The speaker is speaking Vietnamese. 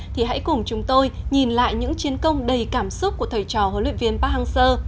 thì hãy cùng chúng tôi nhìn lại những chiến công đầy cảm xúc của thầy trò huấn luyện viên park hang seo